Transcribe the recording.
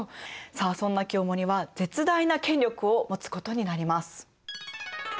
さあそんな清盛は絶大な権力を持つことになります。